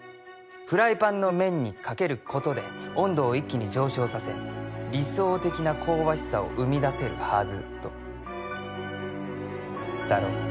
フライパンの面にかけることで温度を一気に上昇させ理想的な香ばしさを生み出せるはずとだろ？